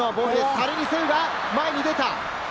タレニ・セウが前に出た！